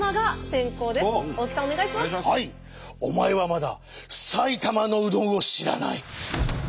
お前はまだ埼玉のうどんを知らない！